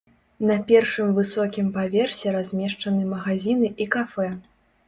На першым высокім паверсе размешчаны магазіны і кафэ.